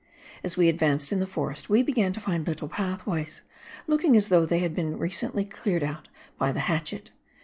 As we advanced in the forest, we began to find little pathways, looking as though they had been recently cleared out by the hatchet.